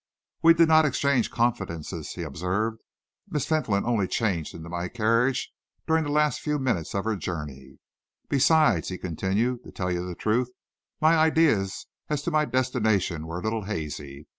"We did not exchange confidences," he observed. "Miss Fentolin only changed into my carriage during the last few minutes of her journey. Besides," he continued, "to tell you the truth, my ideas as to my destination were a little hazy.